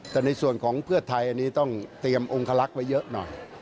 แต่ในส่วนของเพื่อไทยอันนี้ต้องเตรียมองคลักษณ์ไว้เยอะหน่อย